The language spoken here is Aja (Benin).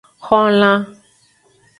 Xolan.